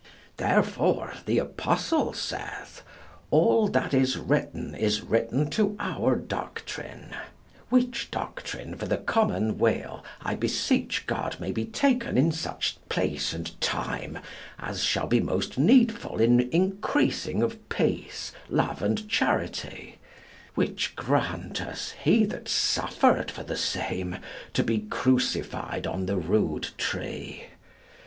Therefore the Apostle saith: "All that is written is written to our doctrine," which doctrine for the common weal I beseech God may be taken in such place and time as shall be most needful in increasing of peace, love, and charity; which grant us He that suffered for the same to be crucified on the rood tree.